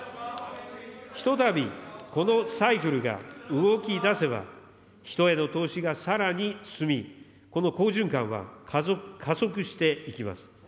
ひとたび、このサイクルが動きだせば、人への投資がさらに進み、この好循環は加速していきます。